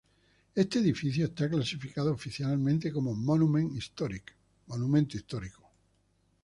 Este edificio está clasificado oficialmente como "monument historique".